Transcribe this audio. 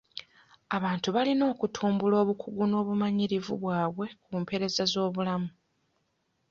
Abantu balina okutumbula obukugu n'obumanyirivu bwabwe ku mpeereza z'obulamu.